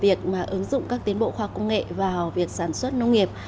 việc mà ứng dụng các tiến bộ khoa công nghệ vào việc sản xuất nông nghiệp